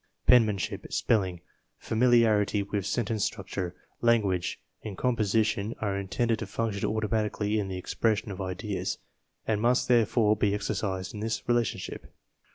Penmanship, spelling, familiarity with sentence structure, language, and composition are intended to function automatically in the expression of ideas, and must therefore be exercised in this relation ship.